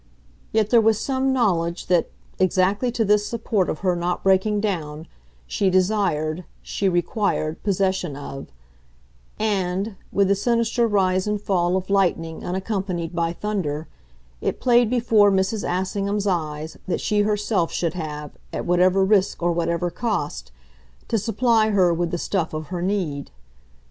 Yet there was some knowledge that, exactly to this support of her not breaking down, she desired, she required, possession of; and, with the sinister rise and fall of lightning unaccompanied by thunder, it played before Mrs. Assingham's eyes that she herself should have, at whatever risk or whatever cost, to supply her with the stuff of her need.